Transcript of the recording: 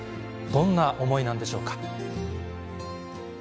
どんな思いなんでしょうか。